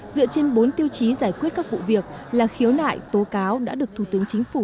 dựa trên bốn tiêu chí giải quyết các vụ việc là khiếu nại tố cáo đã được thủ tướng chính phủ